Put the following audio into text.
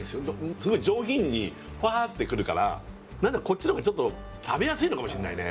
すごい上品にふわってくるから何かこっちのほうがちょっと食べやすいのかもしんないね